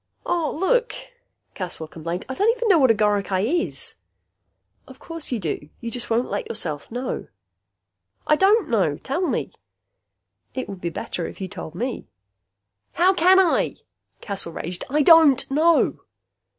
"Aw, look," Caswell complained, "I don't even know what a goricae is." "Of course you do. You just won't let yourself know." "I don't know. Tell me." "It would be better if you told me." "How can I?" Caswell raged. "I don't know!"